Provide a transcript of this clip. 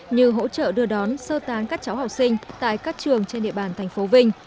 như hỗ trợ đưa đón sơ tán các cháu học sinh tại các trường trên địa bàn thành phố vinh